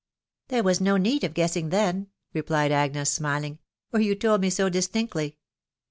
" There was no need of guessing then/' replied Agnes smiling, " for you told me so distinctly."